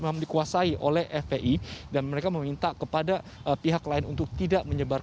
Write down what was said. memang dikuasai oleh fpi dan mereka meminta kepada pihak lain untuk tidak menyebar